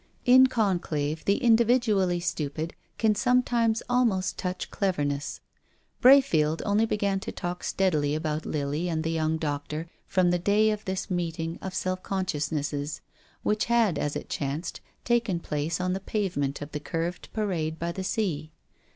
In conclave the individually stupid can some times almost touch cleverness. Brayfield only began to talk steadily about Lily and the young doctor from the day of this meeting of self con sciousnesses which had, as it chanced, taken place on the pavement of the curved parade by the sea.